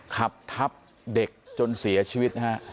ขับทับเด็กจนเสียชีวิตนะฮะ